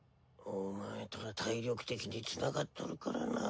お前とは体力的につながっとるからな。